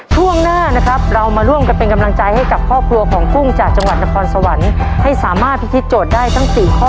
ช่วงหน้านะครับเรามาร่วมกันเป็นกำลังใจให้กับครอบครัวของกุ้งจากจังหวัดนครสวรรค์ให้สามารถพิธีโจทย์ได้ทั้ง๔ข้อ